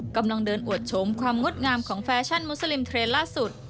กำลังเดินอวดชมความงดงามของแฟชั่นมุสลิมเทรนดล่าสุด